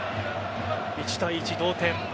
１対１、同点。